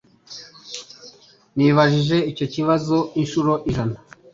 Nibajije icyo kibazo inshuro ijana.